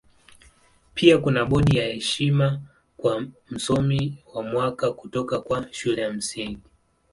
Pia kuna bodi ya heshima kwa Msomi wa Mwaka kutoka kwa Shule ya Msingi.